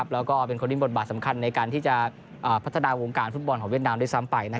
แล้วก็เป็นคนที่บทบาทสำคัญในการที่จะพัฒนาวงการฟุตบอลของเวียดนามด้วยซ้ำไป